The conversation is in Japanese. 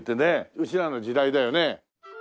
うちらの時代だよね。